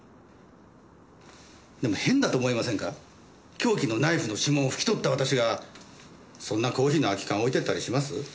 凶器のナイフの指紋を拭き取った私がそんなコーヒーの空き缶を置いてったりします？